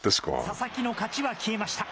佐々木の勝ちは消えました。